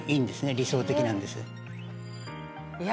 理想的なんですいや